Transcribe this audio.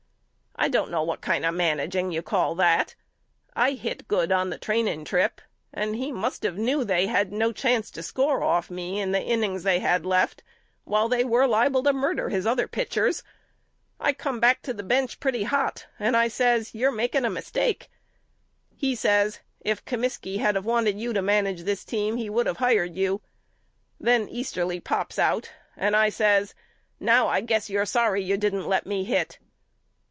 I don't know what kind of managing you call that. I hit good on the training trip and he must of knew they had no chance to score 36 YOU KNOW ME AL off me in the innings they had left while they were liable to murder his other pitchers. I come back to the bench pretty hot and I says You're making a mistake. He says If Comiskey had wanted you to manage this team he would of hired you. Then Easterly pops out and I says Now I guess you're sorry you didn't let me hit.